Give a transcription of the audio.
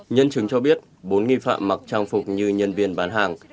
nhân chứng cho biết bốn nghi phạm mặc trang phục như nhân viên bán hàng